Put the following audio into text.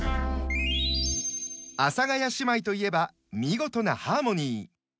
阿佐ヶ谷姉妹といえば見事なハーモニー。